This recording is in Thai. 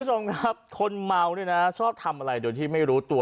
คุณผู้ชมครับคนเมาเนี่ยนะชอบทำอะไรโดยที่ไม่รู้ตัว